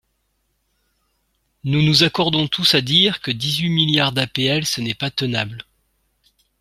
Nous nous accordons tous à dire que dix-huit milliards d’APL, ce n’est pas tenable.